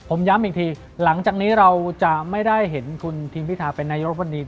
ผมย้ำอีกทีหลังจากนี้เราจะไม่ได้เห็นคุณทีมพิธาเป็นนายรบบนดี